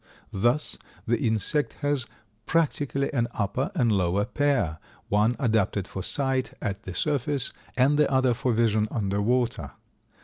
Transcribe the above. Thus the insect has practically an upper and lower pair, one adapted for sight at the surface, and the other for vision under water.